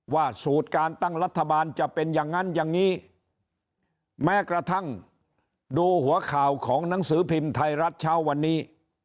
สูตรการตั้งรัฐบาลจะเป็นอย่างนั้นอย่างนี้แม้กระทั่งดูหัวข่าวของหนังสือพิมพ์ไทยรัฐเช้าวันนี้